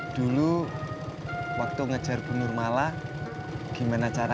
dulu waktu ngejar penur malah gimana caranya